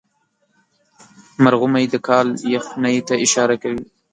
مرغومی د کال یخنۍ ته اشاره کوي.